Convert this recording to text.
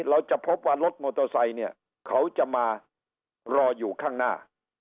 เราจะพบว่ารถมอเตอร์ไซค์เนี่ยเขาจะมารออยู่ข้างหน้า